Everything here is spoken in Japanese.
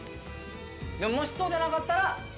もしそうでなかったら。